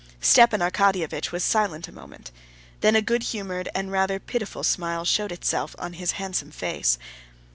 Stepan Arkadyevitch was silent a minute. Then a good humored and rather pitiful smile showed itself on his handsome face.